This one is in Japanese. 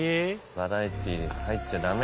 バラエティーで入っちゃダメ